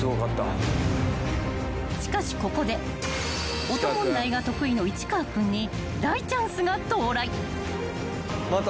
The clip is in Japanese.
［しかしここで音問題が得意の市川君に大チャンスが到来］